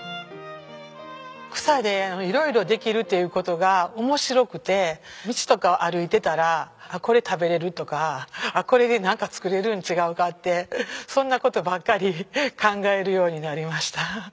草で色々できるっていう事が面白くて道とか歩いてたらこれ食べれるとかこれでなんか作れるんちがうかってそんな事ばっかり考えるようになりました。